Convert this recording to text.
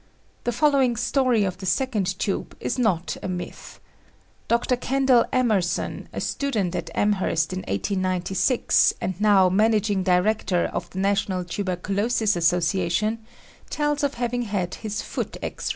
The following story of the second tube is not a myth. Dr. Kendall Emerson, a student at Amherst in 1896, and now Managing Director of the National Tuber culosis Association, tells of having had his foot X rayed.